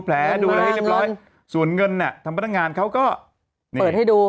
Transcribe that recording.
แผลดูอะไรให้เรียบร้อยส่วนเงินเนี่ยทางพนักงานเขาก็เปิดให้ดู